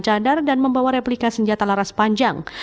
cadar dan membawa replika senjata laras panjang